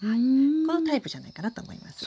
このタイプじゃないかなと思います。